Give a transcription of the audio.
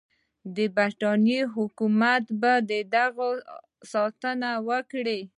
د برټانیې حکومت به د هغوی ساتنه وکړي.